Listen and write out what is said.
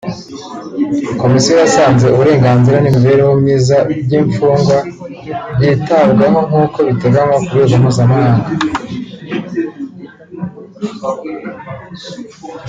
komisiyo yasanze uburenganzira n’imibereho myiza by’imfungwa byitabwaho nk’uko biteganywa ku rwego mpuzamhanga